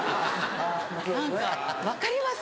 何か分かります？